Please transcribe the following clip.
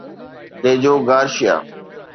ديجو Garcia